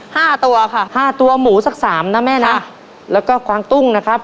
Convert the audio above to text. ห้าตัวค่ะห้าตัวหมูสักสามนะแม่นะแล้วก็กวางตุ้งนะครับ